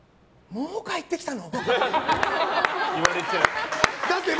もう帰ってきたの？